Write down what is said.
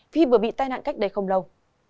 vì vừa bị tai nạn cách đây không lâu